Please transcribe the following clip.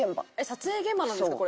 撮影現場なんですか？